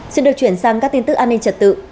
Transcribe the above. xin được chuyển sang các tin tức an ninh trật tự